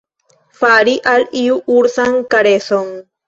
Fari al iu ursan kareson.